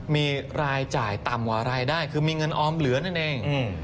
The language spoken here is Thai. มีรายจ่ายต่ำกว่ารายได้คือมีเงินออมเหลือนั่นเอง